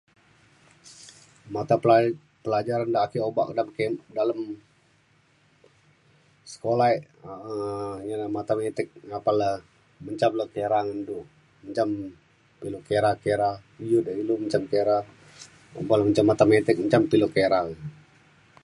mata pela pelajaran dek ake obak kek dalem sekolah ik um jane matematik apan le mencam luk kera ngan du mencam pe ilu kera kera u dek ilu mencam kera oban le mencam matematik mencam pe ilu kera.